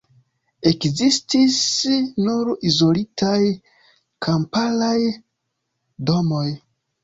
Ekzistis nur izolitaj kamparaj domoj.